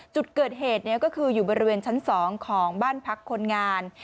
จุดเกิดเหตุก็คืออยู่บริเวณชั้น๒ของบ้านพักคนงาน